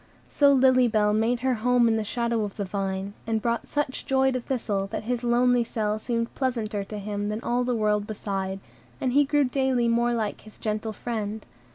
So Lily Bell made her home in the shadow of the vine, and brought such joy to Thistle, that his lonely cell seemed pleasanter to him than all the world beside; and he grew daily more like his gentle friend.